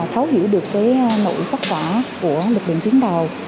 tháo hiểu được nội phát quả của lực lượng tuyến đầu